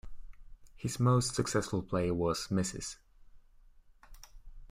His most successful play was Mrs.